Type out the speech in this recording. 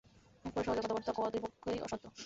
এর পরে সহজে কথাবার্তা কওয়া দুই পক্ষেই অসাধ্য।